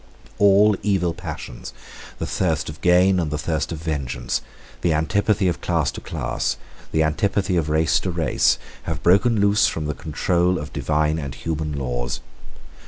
All evil passions, the thirst of gain and the thirst of vengeance, the antipathy of class to class, the antipathy of race to race, have broken loose from the control of divine and human laws.